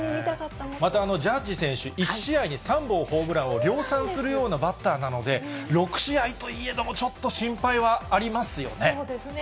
ジャッジ選手、１試合に３本ホームランを量産するようなバッターなので、６試合といえども、そうですね。